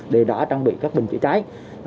để đã trang bị các bình chữa cháy